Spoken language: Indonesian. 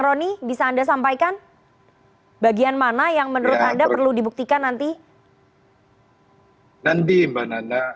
roni bisa anda sampaikan bagian mana yang menurut anda perlu dibuktikan nanti mbak nana